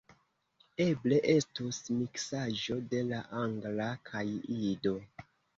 Eble estus miksaĵo de la Angla kaj Ido.